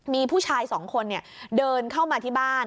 มีผู้ชายสองคนเดินเข้ามาที่บ้าน